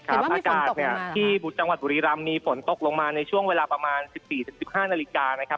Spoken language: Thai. อากาศที่บุตรจังหวัดบุรีรัมม์มีฝนตกลงมาในช่วงเวลาประมาณ๑๐๑๕นาฬิกา